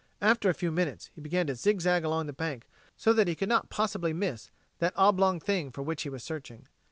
After a few minutes he began to zig zag along the bank so that he could not possibly miss that oblong thing for which he was searching.